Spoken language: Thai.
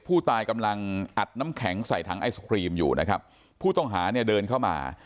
ผู้ตายกำลังอัดน้ำแข็งใส่ถังไอศครีมอยู่นะครับผู้ต้องหาเนี่ยเดินเข้ามา